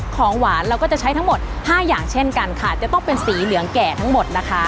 ของหวานเราก็จะใช้ทั้งหมดห้าอย่างเช่นกันค่ะจะต้องเป็นสีเหลืองแก่ทั้งหมดนะคะ